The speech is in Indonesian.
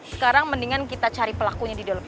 sekarang mendingan kita cari pelakunya di dalam